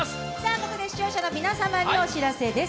ここで視聴者の皆様にお知らせです。